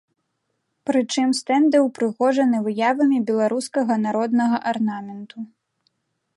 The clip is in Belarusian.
Прычым стэнды ўпрыгожаны выявамі беларускага народнага арнаменту.